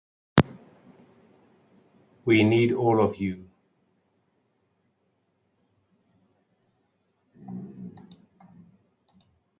We need all of you.